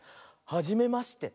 「はじめまして」。